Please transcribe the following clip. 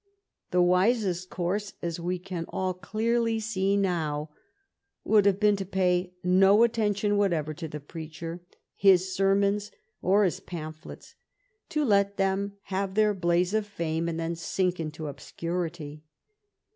The wisest course, as we can all clearly see now, would have been to pay no attention whatever to the preacher, his sermonsy or his pamphlets, to let them have their blaze of fame and then sink into obscurity.